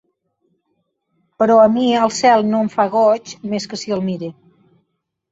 Però a mi el cel no em fa goig més que si el mire.